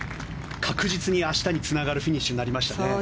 確実に明日につながるフィニッシュになりましたね。